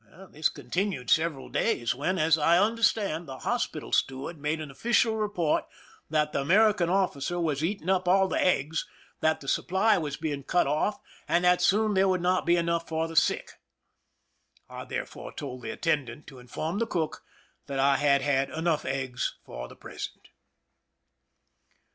This continued several days, when, as I understand, the hospital steward made an official report that the American officer was eating up all the eggs, that the supply was being cut off, and that soon there would not be enough for the sick. I thereupon told the attendant to inform the cook that I had had enough eggs for the present.